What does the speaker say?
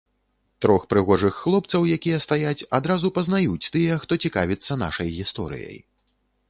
Трох прыгожых хлопцаў, якія стаяць, адразу пазнаюць тыя, хто цікавіцца нашай гісторыяй.